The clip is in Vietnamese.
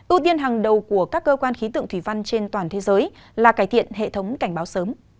ưu tiên hàng đầu của các cơ quan khí tượng thủy văn trên toàn thế giới là cải thiện hệ thống cảnh báo sớm